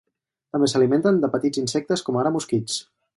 També s'alimenten de petits insectes com ara mosquits.